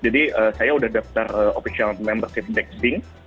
jadi saya udah daftar official membership dexing